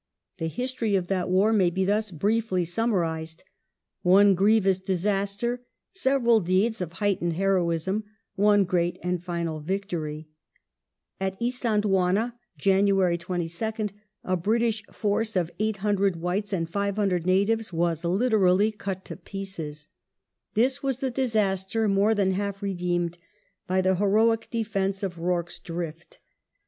The history of that war may be thus briefly summarized : one grievous disaster, several deeds of heightened heroism, one great and final victory. At Isandhlwana (Jan. 22nd) a British force of 800 whites and 500 natives was literally cut to pieces. This was the disaster more than half redeemed by the heroic defence of Rorke's Drift.